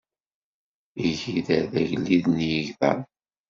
Igider d agellid n yegḍaḍ.